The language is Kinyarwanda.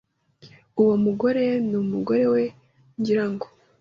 Uwo mugore numugore we, ngira ngo.